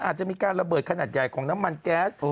อาจจะมีการระเบิดขนาดใหญ่ของน้ำมันแก๊ส